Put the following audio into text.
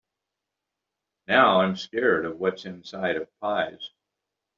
Now, I’m scared of what is inside of pies.